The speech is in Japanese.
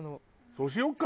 そうしようか？